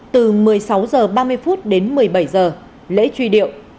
từ một mươi sáu giờ ba mươi phút đến một mươi bảy giờ lễ truy điệu